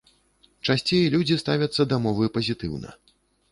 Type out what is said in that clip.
Часцей людзі ставяцца да мовы пазітыўна.